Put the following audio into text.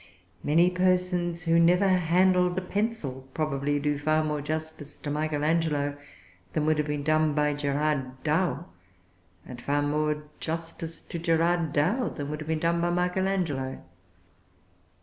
Many persons who never handled a pencil probably do far more justice to Michael Angelo than would have been done by Gerard Douw, and far more justice to Gerard Douw than would have been done by Michael Angelo.